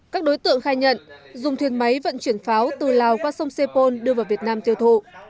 các đối tượng khai nhận dùng thuyền máy vận chuyển pháo từ lào qua sông sepol đưa vào việt nam tiêu thụ